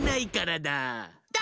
だ！